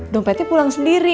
dompetnya pulang sendiri